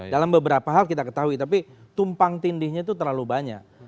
dalam beberapa hal kita ketahui tapi tumpang tindihnya itu terlalu banyak